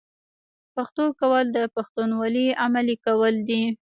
پښتو کول د پښتونولۍ عملي کول دي.